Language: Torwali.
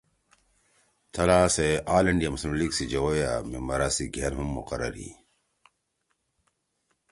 تھلا سے آل انڈیا مسلم لیگ سی جوَئی ممبرا سی گھین ہُم مقرر ہی